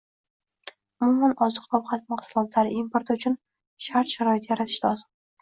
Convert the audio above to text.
Umuman oziq-ovqat mahsulotlari importi uchun shart-sharoit yaratish lozim